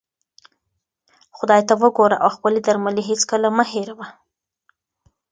خدای ته وګوره او خپلې درملې هیڅکله مه هېروه.